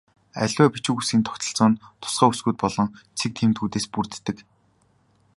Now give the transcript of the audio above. Аливаа бичиг үсгийн тогтолцоо нь тусгай үсгүүд болон цэг тэмдэгтүүдээс бүрддэг.